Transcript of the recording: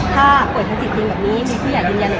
ถ้าป่วยทันติศนี่ไป